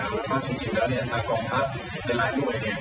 แล้วทางจริงแล้วเนี่ยทางกองทัพในหลายหน่วยเนี่ย